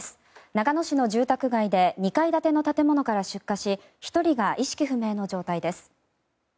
長野市の住宅街で２階建ての建物から出火し１人が意識不明の状態です。